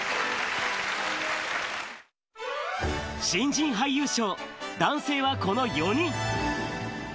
新人俳優賞、男性はこの４人。